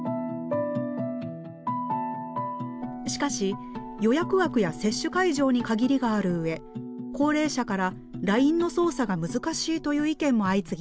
しかし予約枠や接種会場に限りがある上高齢者からＬＩＮＥの操作が難しいという意見も相次ぎました。